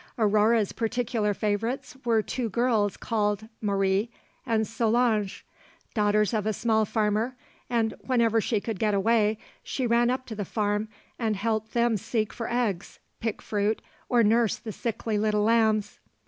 Aurore's particular favourites were two girls called Marie and Solange, daughters of a small farmer, and whenever she could get away she ran up to the farm, and helped them seek for eggs, pick fruit, or nurse the sickly little lambs.